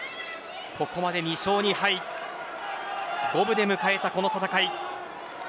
ここまで２勝２敗五分で迎えたこの戦い。